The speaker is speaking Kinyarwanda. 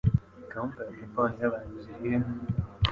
Counter ya Japan Airlines irihe?